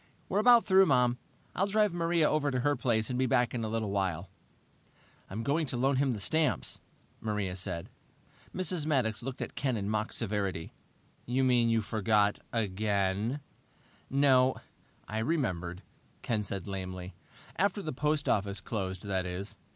"We're about through, Mom. I'll drive Maria over to her place and be back in a little while." "I'm going to loan him the stamps," Maria said. Mrs. Maddox looked at Ken in mock severity. "You mean you forgot again?" "No I remembered," Ken said lamely. "After the post office closed, that is.